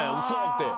って。